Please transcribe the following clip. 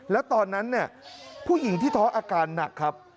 แล้วตอนนั้นเนี่ยผู้หญิงที่ท้ออาการหนักครับ